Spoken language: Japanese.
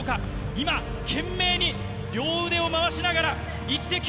今、懸命に両腕を回しながら、イッテＱ！